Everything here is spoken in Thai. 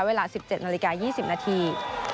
เวลา๑๗นาฬิกา๒๐นาที